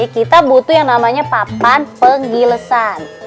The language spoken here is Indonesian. kita butuh yang namanya papan penggilesan